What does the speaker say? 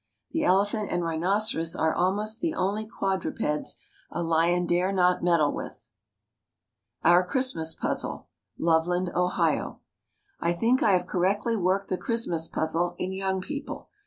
The elephant and rhinoceros are almost the only quadrupeds a lion dare not meddle with. OUR CHRISTMAS PUZZLE. LOVELAND, OHIO. I think I have correctly worked the Christmas Puzzle in Young People.